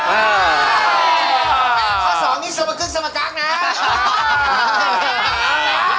ข้อสองนี่สมกรึงสมกรรมนะ